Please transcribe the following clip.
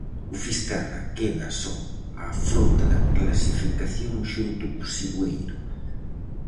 O Fisterra queda só á fronte da clasificación xunto co Sigüeiro.